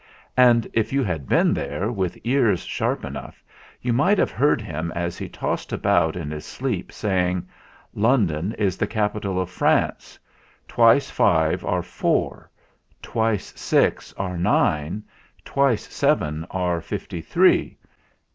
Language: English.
And 230 THE EXAMINATION 231 if you had been there, with ears sharp enough, you might have heard him as he tossed about in his sleep saying, "London is the capital of France;" "Twice five are four; twice six are nine ; twice seven are fifty three."